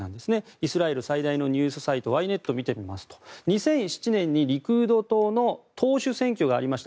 イスラエル最大のニュースサイト、Ｙネットを見てみますと、２００７年にリクード党の党首選挙がありました。